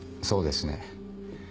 そうですね。